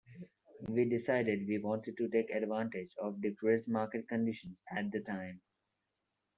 We decided we wanted to take advantage of depressed market conditions at the time.